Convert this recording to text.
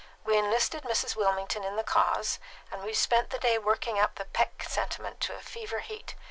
We enlisted Mrs. Wilmington in the cause, and we've spent the day working up the Peck sentiment to a fever heat.